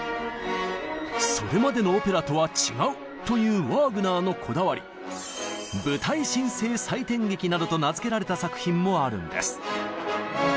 それまでの「オペラ」とは違うというワーグナーのこだわりなどと名付けられた作品もあるんです。